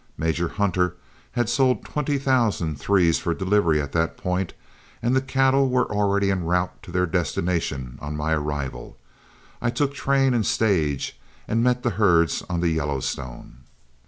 Major Hunter had sold twenty thousand threes for delivery at that point, and the cattle were already en route to their destination on my arrival. I took train and stage and met the herds on the Yellowstone.